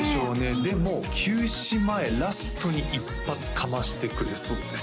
でも休止前ラストに一発かましてくれそうです